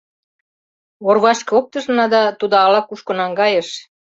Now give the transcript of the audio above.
Орвашке оптышна, да тудо ала-кушко наҥгайыш».